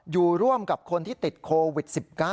อยู่ร่วมกับคนที่ติดโควิด๑๙